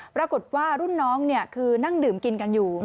ปรากฏว่ารุ่นน้องคือนั่งดื่มกินกันอยู่